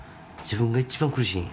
自分が一番苦しい。